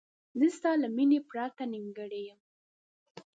زه ستا له مینې پرته نیمګړی یم.